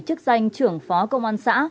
chức danh trưởng phó công an xã